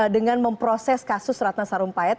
dengan memproses kasus ratna sarumpayat